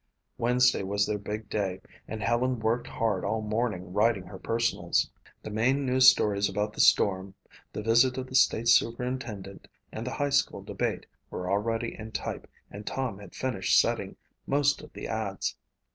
Wednesday was their big day and Helen worked hard all morning writing her personals. The main news stories about the storm, the visit of the state superintendent and the high school debate were already in type and Tom had finished setting most of the ads.